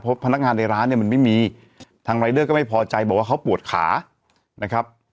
เพราะพนักงานในร้านเนี่ยมันไม่มีทางรายเดอร์ก็ไม่พอใจบอกว่าเขาปวดขานะครับ